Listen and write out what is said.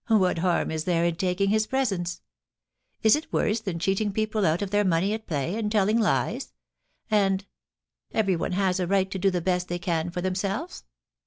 * What harm is there in taking his presents ? Is it worse than cheating people out of their money at play, and telling lies, and Everyone has a right to do the best they can for themselves.